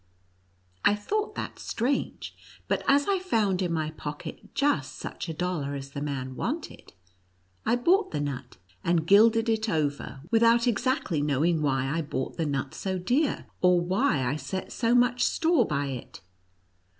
I thought that strange, but as I found in my pocket just such a dollar as the man wanted, I bought the nut, and gilded it over, without exactly knowing why I bought the nut so dear, or why I set so much store by it.